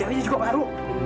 wah cerita juga baru